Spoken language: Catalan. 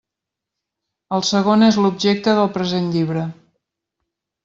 El segon és l'objecte del present llibre.